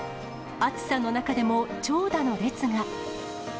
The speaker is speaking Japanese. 暑さの中でも、長蛇の列が。